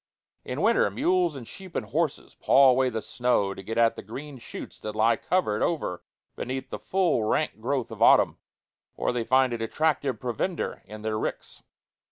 In winter mules and sheep and horses paw away the snow to get at the green shoots that lie covered over beneath the full, rank growth of autumn, or they find it attractive provender in their ricks.